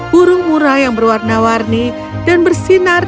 burung murah yang berwarna warni dan bersinar